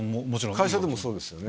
会社でもそうですよね。